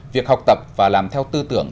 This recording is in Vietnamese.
việc học tập và làm theo tư tưởng